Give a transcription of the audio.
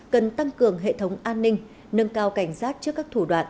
cần tăng cường hệ thống an ninh nâng cao cảnh giác trước các thủ đoạn